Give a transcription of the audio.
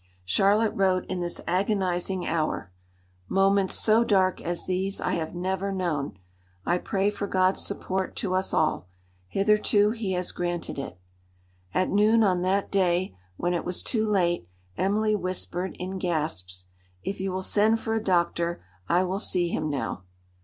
Charlotte wrote in this agonising hour, "Moments so dark as these I have never known. I pray for God's support to us all. Hitherto He has granted it." At noon on that day, when it was too late, Emily whispered in gasps, "If you will send for a doctor, I will see him now."